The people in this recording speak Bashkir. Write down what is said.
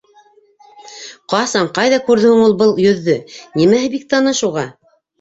Ҡасан, ҡайҙа күрҙе һуң ул был йөҙҙө, нимәһе бик таныш уға?..